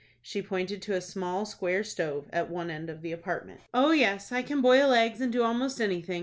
She pointed to a small square stove, at one end of the apartment. "Oh, yes, I can boil eggs, and do almost anything.